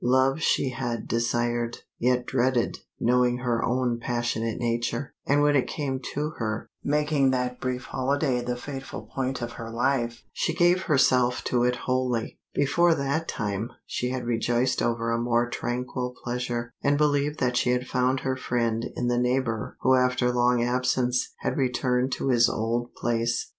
Love she had desired, yet dreaded, knowing her own passionate nature, and when it came to her, making that brief holiday the fateful point of her life, she gave herself to it wholly. Before that time she had rejoiced over a more tranquil pleasure, and believed that she had found her friend in the neighbor who after long absence had returned to his old place.